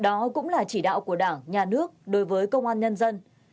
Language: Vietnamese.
đó cũng là chỉ đạo của đảng nhà nước đối với công an nhân dân